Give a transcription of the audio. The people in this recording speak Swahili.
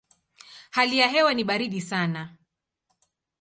Hali ya hewa ni baridi sana.